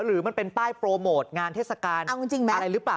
หรือมันเป็นป้ายโปรโมทงานเทศกาลอะไรหรือเปล่า